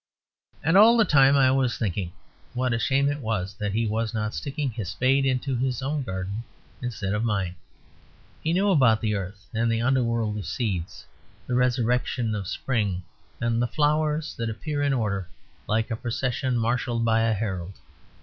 And all the time I was thinking what a shame it was that he was not sticking his spade into his own garden, instead of mine: he knew about the earth and the underworld of seeds, the resurrection of Spring and the flowers that appear in order like a procession marshalled by a herald.